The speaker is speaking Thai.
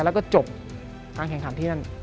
แล้วก็จบการแข่งขันที่นั่น